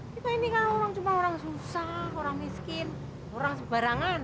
kita ini kan orang cuma orang susah orang miskin orang sebarangan